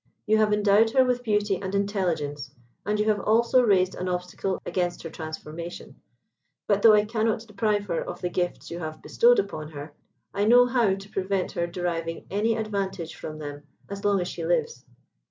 You have endowed her with beauty and intelligence, and you have also raised an obstacle against her transformation; but though I cannot deprive her of the gifts you have bestowed upon her, I know how to prevent her deriving any advantage from them as long as she lives.